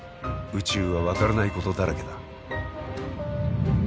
宇宙は分からないことだらけだ。